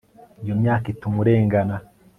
Iyo myaka ituma urengana